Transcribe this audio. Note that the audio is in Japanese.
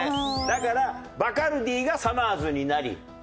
だからバカルディがさまぁずになり。